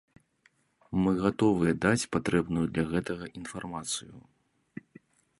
Мы гатовыя даць патрэбную для гэтага інфармацыю.